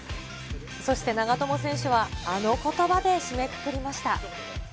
そして長友選手は、あのことばで締めくくりました。